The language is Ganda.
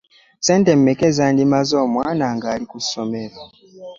Ssente meka ezandimaze omwana ng'ali ku ssomero?